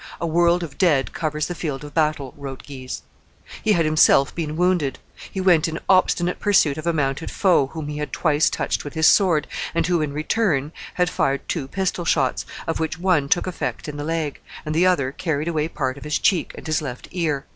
"A world of dead covers the field of battle," wrote Guise. He had himself been wounded: he went in obstinate pursuit of a mounted foe whom he had twice touched with his sword, and who, in return, had fired two pistol shots, of which one took effect in the leg, and the other carried away part of his cheek and his left ear.